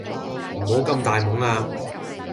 唔好咁大懵呀